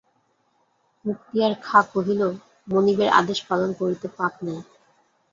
মুক্তিয়ার খাঁ কহিল, মনিবের আদেশ পালন করিতে পাপ নাই।